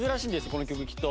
この曲きっと。